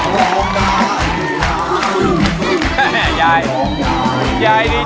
ยายดียายดียายดี